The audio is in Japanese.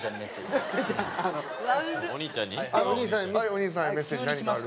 お兄さんへメッセージ何かある？